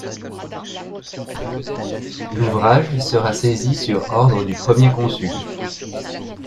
L'ouvrage sera saisi sur ordre du Premier Consul.